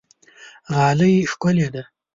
غالۍ ښکلې ده.